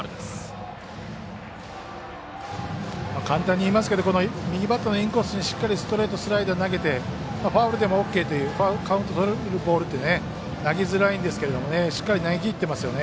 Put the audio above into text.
簡単に言いますけど右バッターのインコースにしっかりストレート、スライダー投げてファウルでもオーケーというカウントをとれるボールって投げづらいんですけどしっかり投げきってますよね。